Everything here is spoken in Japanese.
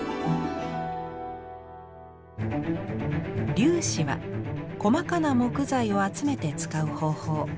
「粒子」は細かな木材を集めて使う方法。